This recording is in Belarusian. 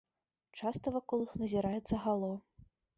Часта вакол іх назіраецца гало.